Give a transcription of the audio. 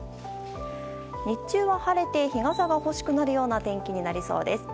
日中は晴れて日傘が欲しくなるような天気になりそうです。